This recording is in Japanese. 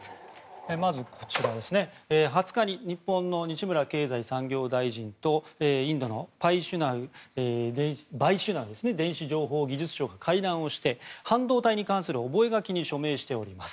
まずこちら、２０日に日本の西村経済産業大臣とインドのバイシュナウ電子情報技術相が会談をして半導体に関する覚書に署名しております。